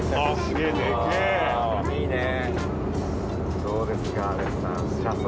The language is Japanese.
いいねぇ。